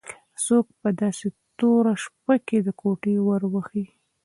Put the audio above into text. څوک په داسې توره شپه کې د کوټې ور وهي؟